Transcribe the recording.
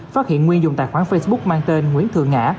phát hiện nguyên dùng tài khoản facebook mang tên nguyễn thừa ngã